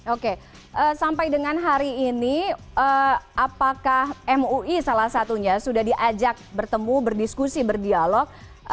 oke sampai dengan hari ini apakah mui salah satunya sudah diajak bertemu berdiskusi berdialog